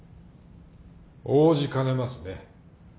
応じかねますね。